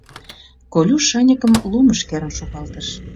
Колюш шаньыкым лумыш керын шогалтыш.